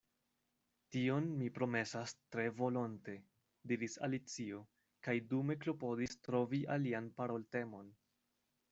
“Tion mi promesas tre volonte,” diris Alicio, kaj dume klopodis trovi alian paroltemon.